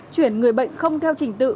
chuyển người bệnh không theo trình tự